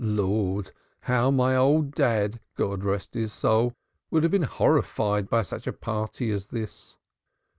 Lord! how my old dad, God rest his soul, would have been horrified by such a party as this!"